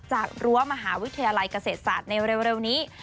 รั้วมหาวิทยาลัยเกษตรศาสตร์ในเร็วนี้